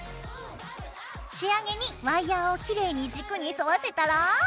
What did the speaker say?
仕上げにワイヤーをきれいに軸に沿わせたら。